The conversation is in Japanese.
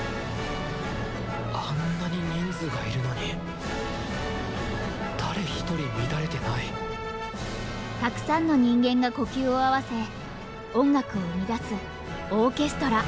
あんなに人数がいるのに誰一人乱れてないたくさんの人間が呼吸を合わせ音楽を生み出すオーケストラ。